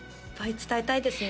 伝えたいですね